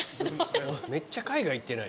めっちゃ海外行ってない？